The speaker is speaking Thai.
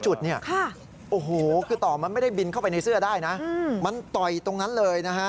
จุดเนี่ยโอ้โหคือต่อมันไม่ได้บินเข้าไปในเสื้อได้นะมันต่อยตรงนั้นเลยนะฮะ